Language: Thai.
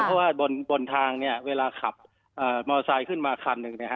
เพราะว่าบนทางเวลาขับมอไซค์ขึ้นมาคันหนึ่ง